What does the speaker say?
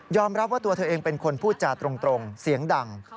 รับว่าตัวเธอเองเป็นคนพูดจาตรงเสียงดัง